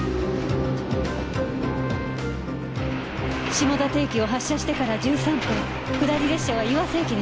下館駅を発車してから１３分下り列車は岩瀬駅に到着。